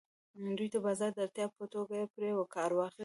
دوی د بازار د اړتیا په توګه پرې کار واخیست.